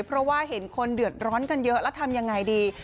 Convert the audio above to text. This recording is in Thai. เพราะว่าเห็นคนเดือดร้อนกันเยอะแล้วทำยังไงดี